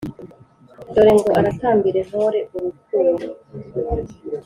dore ngo aratambira intore urukubo,